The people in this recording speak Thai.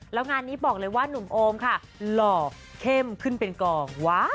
แล้วงานนี้บอกเลยว่านุ่มโอมค่ะหล่อเข้มขึ้นเป็นกอง